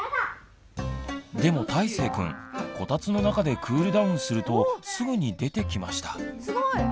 でもたいせいくんこたつの中でクールダウンするとすぐに出てきました。